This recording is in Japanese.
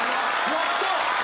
やった！